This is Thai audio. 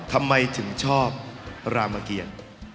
ทำไมถึงชอบประเศษธรรมเรียน